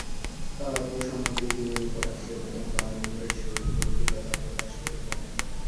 তারাপ্রসন্ন গৃহিণীর নিকট আসিয়া অত্যন্ত আড়ম্বরের সহিত প্রফুল্লতা প্রকাশ করিলেন।